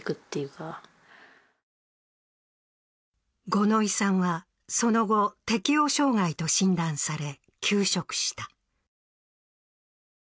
五ノ井さんはその後、適応障害と診断され、休職した。